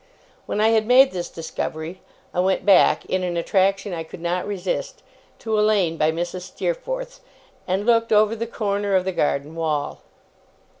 When I had made this discovery, I went back, in an attraction I could not resist, to a lane by Mrs. Steerforth's, and looked over the corner of the garden wall.